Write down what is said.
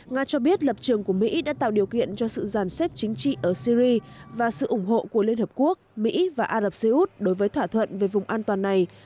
nga cho biết lập trường của mỹ đã tạo điều kiện cho sự giàn xếp chính trị ở syri và sự ủng hộ của liên hợp quốc mỹ và ả rập xê út đối với thỏa thuận về vùng an toàn này